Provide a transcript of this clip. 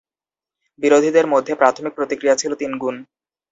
বিরোধীদের মধ্যে প্রাথমিক প্রতিক্রিয়া ছিল তিনগুণ।